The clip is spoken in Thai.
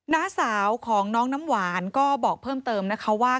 น้าสาวของน้องน้ำหวานก็บอกเพิ่มเติมนะคะว่า